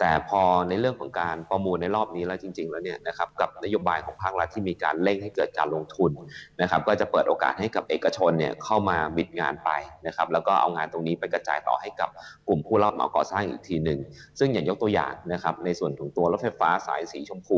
แต่พอในเรื่องของการประมูลในรอบนี้แล้วจริงแล้วเนี่ยนะครับกับนโยบายของภาครัฐที่มีการเร่งให้เกิดการลงทุนนะครับก็จะเปิดโอกาสให้กับเอกชนเนี่ยเข้ามาบิดงานไปนะครับแล้วก็เอางานตรงนี้ไปกระจายต่อให้กับกลุ่มผู้รับเหมาก่อสร้างอีกทีหนึ่งซึ่งอย่างยกตัวอย่างนะครับในส่วนของตัวรถไฟฟ้าสายสีชมพู